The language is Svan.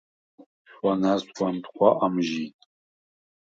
შუ̂ანა̈რს გუ̂ა̈მთქუ̂ა ამჟინ.